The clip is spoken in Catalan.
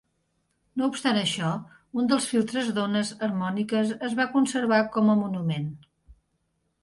No obstant això, un dels filtres d'ones harmòniques es va conservar com a monument.